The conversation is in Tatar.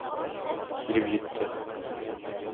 Килеп җитте.